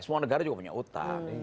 semua negara juga punya utang